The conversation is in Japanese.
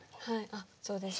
あっそうですね。